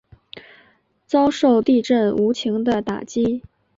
遭受地震无情的打击